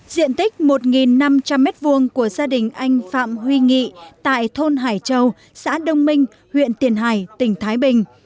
diện tích một năm trăm linh m hai của gia đình anh phạm huy nghị tại thôn hải châu xã đông minh huyện tiền hải tỉnh thái bình